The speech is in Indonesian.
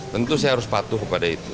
tentu saya harus patuh kepada itu